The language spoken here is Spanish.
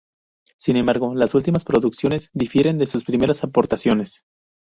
Sin embargo, las últimas producciones difieren de sus primeras aportaciones.